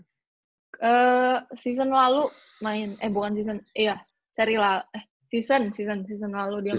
season lalu main eh bukan season iya seri eh season season season lalu dia